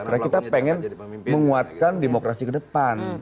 karena kita ingin menguatkan demokrasi ke depan